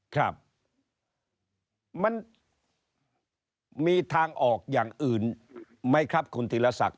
ค่ะมันมีทางออกอย่างอื่นไหมครับทีรสัก๑๔